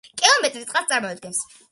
კილომეტრი წყალს წარმოადგენს.